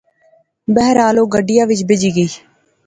بہرحال او گڈیا وچ بہجی گئے